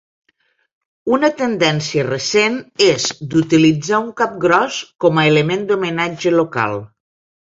Una tendència recent és d’utilitzar un capgròs com a element d’homenatge local.